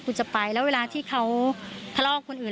คุณจะไปแล้วเวลาที่เขาทะเลาะกับคนอื่น